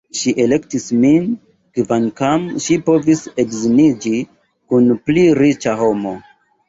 Ŝi elektis min, kvankam ŝi povis edziniĝi kun pli riĉa homo.